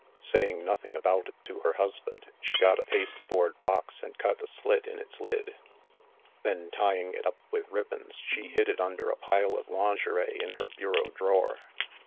Saying nothing about it to her husband, she got a pasteboard box and cut a slit in its lid. Then, ty ing it up with ribbons, she hid it under a pile of lin gerie in her bureau drawer.